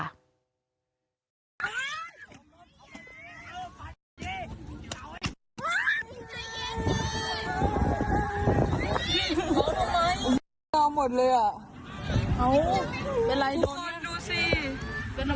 อ๋อไอ้เจ้าอ๋อเนี้ยวิ่งเจ้าไม่เอาหมดเลยอ่ะเอ้า